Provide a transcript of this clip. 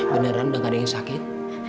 beneran dengan ada yang sakit